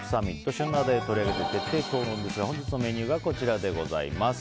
旬な話題を取り上げて徹底討論ですが本日のメニューがこちらです。